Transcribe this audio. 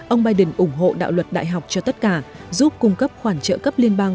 ông biden ủng hộ đạo luật đại học cho tất cả giúp cung cấp khoản trợ cấp liên bang